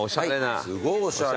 すごいおしゃれ。